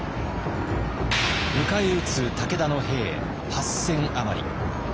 迎え撃つ武田の兵８千余り。